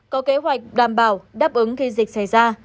có kế hoạch đảm bảo đáp ứng khi dịch xảy ra